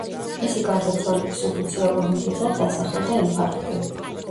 მისი გარდაცვალების ოფიციალურ მიზეზად დასახელდა ინფარქტი.